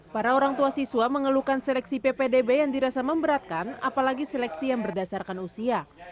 para orang tua siswa mengeluhkan seleksi ppdb yang dirasa memberatkan apalagi seleksi yang berdasarkan usia